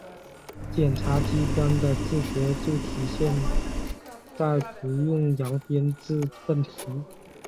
检察机关的自觉就体现在‘不用扬鞭自奋蹄’